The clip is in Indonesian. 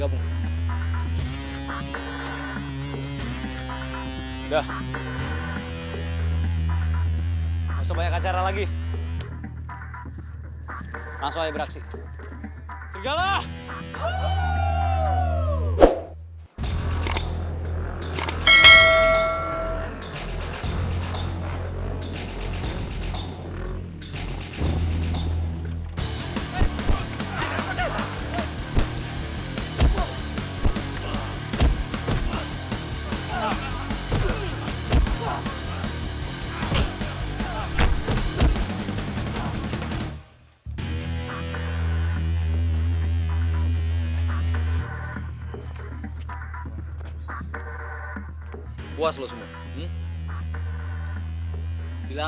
gimana lo bangwakan lelahi bariera